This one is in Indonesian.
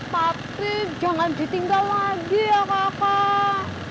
tapi jangan ditinggal lagi ya kakak